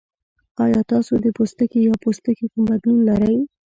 ایا تاسو د پوستکي یا پوستکي کوم بدلون لرئ؟